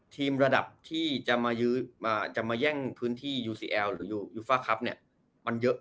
ทีมระดับที่จะมายืดมาจะมาแย่งพื้นที่ยูซี่แอลล์หรืออยู่บ้างครับแน่มันเยอะ